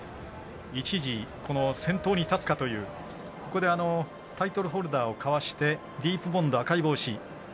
一時、先頭に立つかというここでタイトルホルダーをかわしてディープボンド、赤い帽子。